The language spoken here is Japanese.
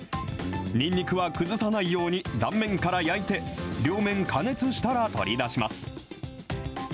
にんにくは崩さないように断面から焼いて、両面加熱したら取り出します。